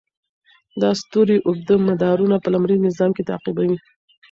دا ستوري اوږده مدارونه په لمریز نظام کې تعقیبوي.